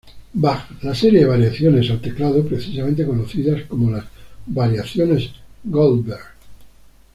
Bach la serie de variaciones al teclado precisamente conocidas como las "Variaciones Goldberg".